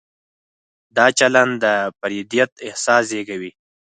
دا چلند د فردیت احساس زېږوي.